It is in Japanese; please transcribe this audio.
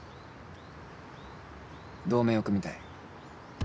同盟を組みたい。